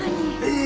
え？